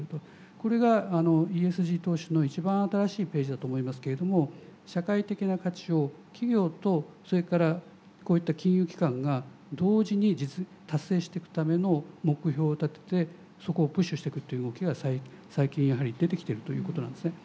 これがＥＳＧ投資の一番新しいページだと思いますけれども社会的な価値を企業とそれからこういった金融機関が同時に達成してくための目標を立ててそこをプッシュしてくっていう動きが最近やはり出てきているということなんですね。